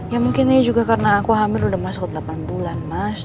ya mungkin ini juga karena aku hamil udah masuk delapan bulan mas